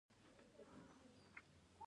خلکو ته دروغ ویل باور وژني.